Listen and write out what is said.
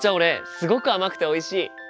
すごく甘くておいしい！